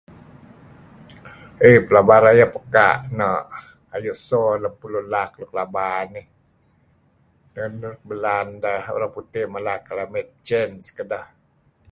"Eh pelaba rayeh peka' no' kayu' so luk laak luk laba nih, neh luk belaan lun Orang Putih ""climate change"" kedeh. "